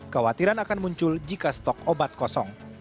kekhawatiran akan muncul jika stok obat kosong